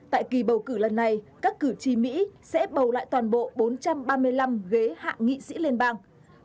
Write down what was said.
tại kỳ bầu cử lần này các cử tri mỹ sẽ bầu lại toàn bộ bốn trăm ba mươi năm ghế hạ nghị sĩ liên bang